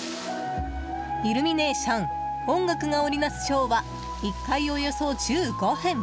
イルミネーション音楽が織りなすショーは１回およそ１５分。